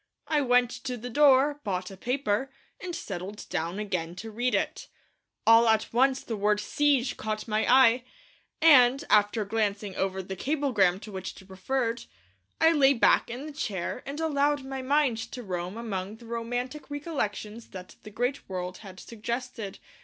I went to the door, bought a paper, and settled down again to read it. All at once the word 'siege' caught my eye, and, after glancing over the cablegram to which it referred, I lay back in the chair and allowed my mind to roam among the romantic recollections that the great word had suggested.